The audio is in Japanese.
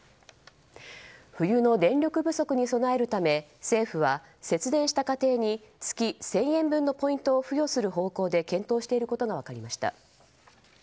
冬の電力不足に備えるため政府は節電した家庭に月１０００円分のポイントを付与することを検討していることが分かりました。